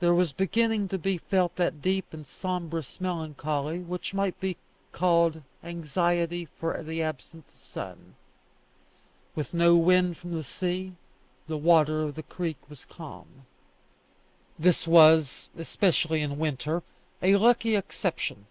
There was beginning to be felt that deep and sombrous melancholy which might be called anxiety for the absent sun. With no wind from the sea, the water of the creek was calm. This was, especially in winter, a lucky exception.